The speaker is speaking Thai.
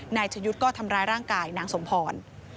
นายชะยุทธ์ก็ทำร้ายร่างกายนางสมพร